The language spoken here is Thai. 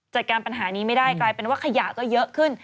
จัดการปัญหานี้ไม่ได้กลายเป็นว่าขยะก็เยอะขึ้น